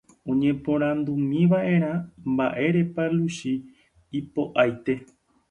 oñeporandúmiva'erã mba'érepa Luchi ipo'aite